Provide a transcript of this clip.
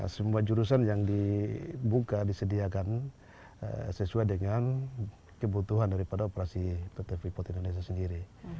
semua jurusan yang dibuka disediakan sesuai dengan kebutuhan daripada operasi pt freeport indonesia sendiri